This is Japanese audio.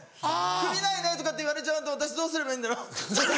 「首ないね」って言われちゃうと私どうすればいいんだろう。